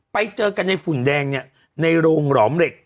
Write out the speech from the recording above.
ไปเจอกันในฝุ่นแดงเนี่ยในโรงหลอมเหล็ก